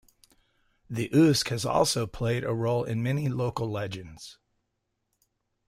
The Usk has also played a role in many local legends.